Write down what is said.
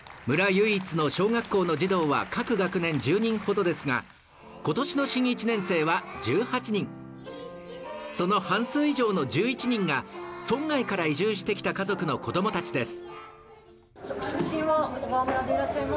唯一の小学校の児童は各学年１０人ほどですが今年の新一年生は１８人、その半数以上の１１人が村外から移住してきた家族の子供たちです。